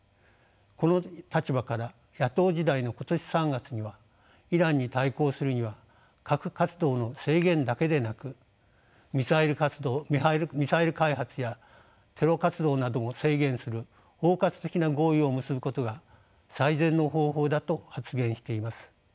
この立場から野党時代の今年３月にはイランに対抗するには核活動の制限だけでなくミサイル開発やテロ活動などを制限する包括的な合意を結ぶことが最善の方法だと発言しています。